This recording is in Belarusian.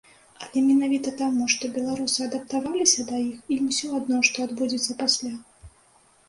Але менавіта таму, што беларусы адаптаваліся да іх, ім усё адно, што адбудзецца пасля.